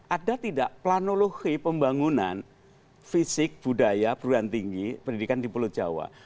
ada tidak planologi pembangunan fisik budaya perguruan tinggi pendidikan di pulau jawa